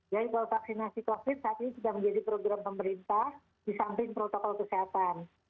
jadi kalau vaksinasi covid saat ini tidak menjadi program pemerintah di samping protokol kesehatan